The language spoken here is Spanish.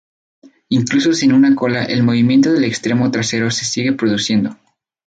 Incluso sin una cola, el movimiento del extremo trasero se sigue produciendo.